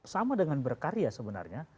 sama dengan berkarya sebenarnya